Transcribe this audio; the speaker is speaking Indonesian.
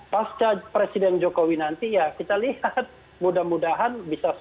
pasca presiden jokowi nanti ya kita lihat mudah mudahan bisa